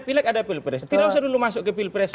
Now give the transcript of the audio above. pilek ada pilpres tidak usah dulu masuk ke pilpres